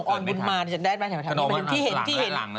การประกวดจำได้ขนกออนบุญมาน